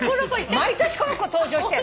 毎年この子登場して。